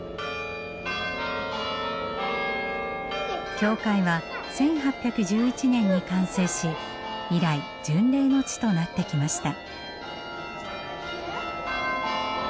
教会は１８１１年に完成し以来巡礼の地となってきました。